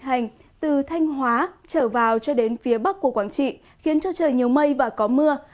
hành từ thanh hóa trở vào cho đến phía bắc của quảng trị khiến cho trời nhiều mây và có mưa